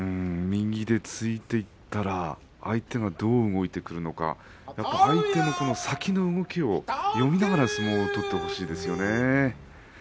右で突いていったら相手がどう動いてくるのか相手の先の動きを読みながら相撲を取ってほしいですよね。